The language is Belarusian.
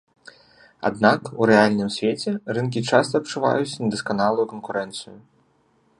Аднак у рэальным свеце, рынкі часта адчуваюць недасканалую канкурэнцыю.